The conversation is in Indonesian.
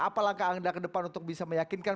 apa langkah anda ke depan untuk bisa meyakinkan